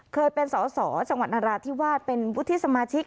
เคยเป็นสอสอจังหวัดนราธิวาสเป็นวุฒิสมาชิก